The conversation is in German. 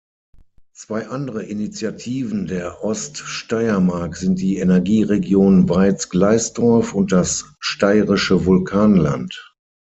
Zwei andere Initiativen der Oststeiermark sind die „Energie-Region Weiz-Gleisdorf“ und das „Steirische Vulkanland“.